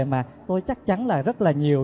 mà tôi chắc chắn là rất là nhiều